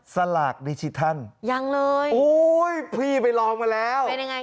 สลากดิจิทัลยังเลยโอ้ยพี่ไปลองมาแล้วเป็นยังไง